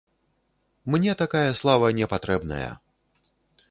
Мне такая слава не патрэбная.